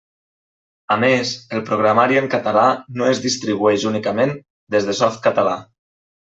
A més, el programari en català no es distribueix únicament des de Softcatalà.